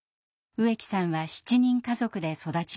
植木さんは７人家族で育ちました。